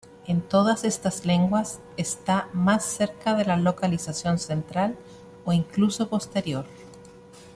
En todas estas lenguas, está más cerca de la localización central, o incluso posterior.